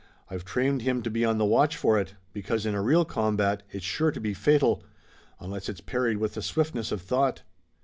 I've trained him to be on the watch for it, because in a real combat it's sure to be fatal, unless it's parried with the swiftness of thought."